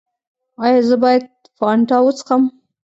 ایا زه باید فانټا وڅښم؟